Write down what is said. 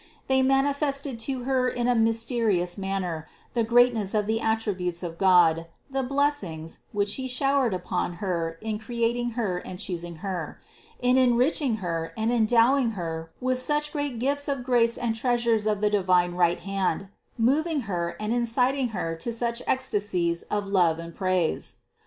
They manifested to Her in a mysterious man ner the greatness of the attributes of God, the blessings, which He showered upon Her in creating Her and choos ing Her, in enriching Her and endowing Her with such great gifts of grace and treasures of the divine right hand, moving Her and inciting Her to such ecstasies of love and praise.